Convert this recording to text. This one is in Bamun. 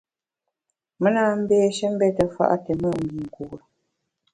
Me na mbéshe mbète fa’ te mùt mbinkure.